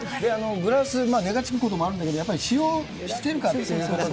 グラス、値がつくこともあるんだけど、やっぱり使用しているということで。